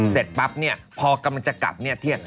เสร็จปั๊บเนี่ยพอกำลังจะกลับเนี่ย